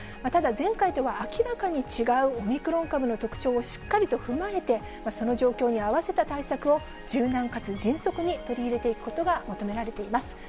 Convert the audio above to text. ただ、前回とは明らかに違うオミクロン株の特徴をしっかりと踏まえて、その状況に合わせた対策を、柔軟かつ迅速に取り入れていくことが求められています。